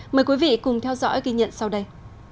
mời quý vị cùng theo dõi ghi nhận sau đây